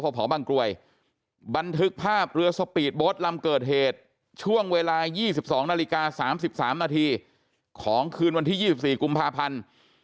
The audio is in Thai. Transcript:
พบังกลวยบันทึกภาพเรือสปีดโบ๊ทลำเกิดเหตุช่วงเวลา๒๒นาฬิกา๓๓นาทีของคืนวันที่๒๔กุมภาพันธ์